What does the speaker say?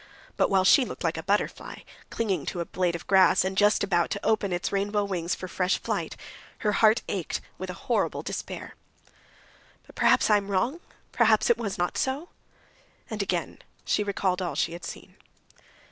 But while she looked like a butterfly, clinging to a blade of grass, and just about to open its rainbow wings for fresh flight, her heart ached with a horrible despair. "But perhaps I am wrong, perhaps it was not so?" And again she recalled all she had seen.